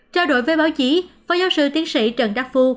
trao đổi với báo chí phó giáo sư tiến sĩ trần đắc phu